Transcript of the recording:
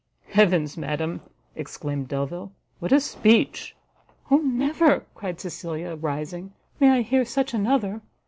"Heavens, madam," exclaimed Delvile, "what a speech!" "O never," cried Cecilia, rising, "may I hear such another!